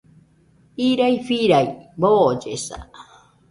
Irai firai, boollesa